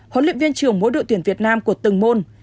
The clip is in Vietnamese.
huấn luyện viên trưởng mỗi đội tuyển việt nam của từng môn